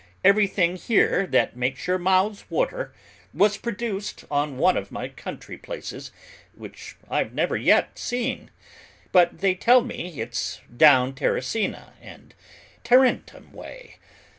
Everything here that makes your mouths water, was produced on one of my country places which I've never yet seen, but they tell me it's down Terracina and Tarentum way.